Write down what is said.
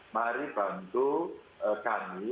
mari bantu kami